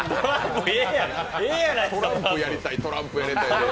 トランプやりたいとトランプやりたいって。